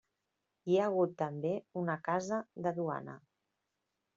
Hi ha hagut també una casa de duana.